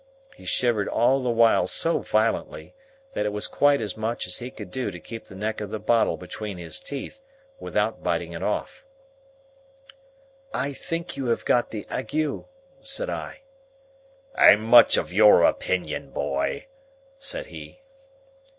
He shivered all the while so violently, that it was quite as much as he could do to keep the neck of the bottle between his teeth, without biting it off. "I think you have got the ague," said I. "I'm much of your opinion, boy," said he.